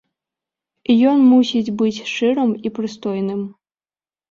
Ён мусіць быць шчырым і прыстойным.